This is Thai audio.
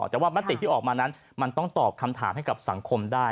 แต่ว่ามติที่ออกมานั้นมันต้องตอบคำถามให้กับสังคมได้